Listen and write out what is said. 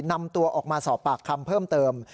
นำตัวออกมาสอบปากคำเพิ่มเติม